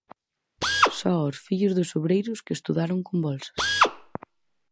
Só aos fillos dos obreiros, que estudaron con bolsas.